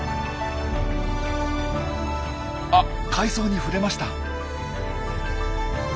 あっ海藻に触れました。